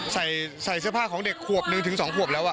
ใส่เสื้อผ้าของเด็กขวบนึงถึง๒ขวบแล้ว